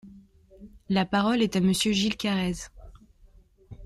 La parole est à Monsieur Gilles Carrez.